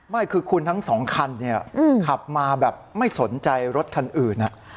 ไม่คือคุณทั้งสองคันเนี่ยขับมาแบบไม่สนใจรถคันอื่น